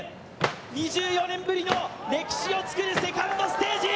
２４年ぶりの歴史を作るセカンドステージ。